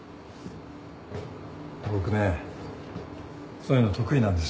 僕ねそういうの得意なんですよ。